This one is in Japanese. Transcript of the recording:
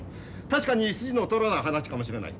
確かに筋の通らない話かもしれない。